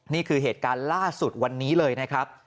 นี่คือเหตุการณ์ล่าสุดวันนี้เลยนะครับ